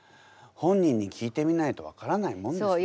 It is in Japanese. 本人に聞いてみないと分からないもんですね。